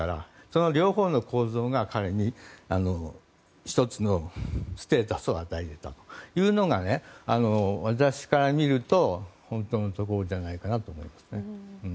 その両方の構造が、彼に１つのステータスを与えたというのが私から見ると本当のところじゃないかなと思います。